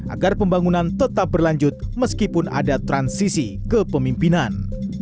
agar pembangunan tetap berlanjut meskipun ada transisi ke pemimpinan